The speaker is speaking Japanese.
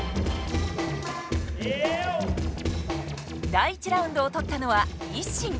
第１ラウンドを取ったのはＩＳＳＩＮ。